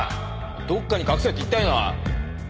どっかに隠せって言ったよな。